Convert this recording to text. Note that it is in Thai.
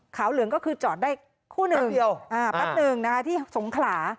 ขาวเหลืองก็คือจอดได้คู่เดียวอ่าปั๊บหนึ่งนะคะที่สงขลา